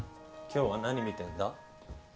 今日は何見てんだ？